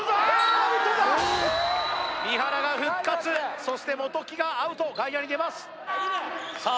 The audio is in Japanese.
アウトだ三原が復活そして元木がアウト外野に出ますさあ